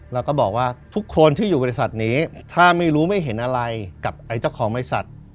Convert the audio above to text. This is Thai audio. แล้วก็บอกว่าทุกคนที่อยู่บริษัทนี้ถ้าไม่รู้ไม่เห็นอะไรกับไอ้เจ้าของบริษัท